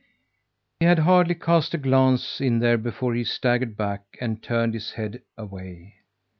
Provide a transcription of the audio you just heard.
He had hardly cast a glance in there before he staggered back and turned his head away.